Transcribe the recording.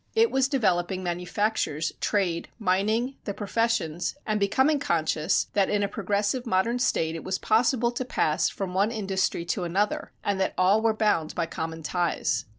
It was developing manufactures, trade, mining, the professions, and becoming conscious that in a progressive modern state it was possible to pass from one industry to another and that all were bound by common ties.